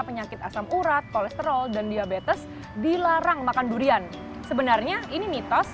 penyakit asam urat kolesterol dan diabetes dilarang makan durian sebenarnya ini mitos